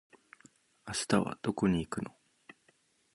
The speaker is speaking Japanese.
明日はどこに行くの？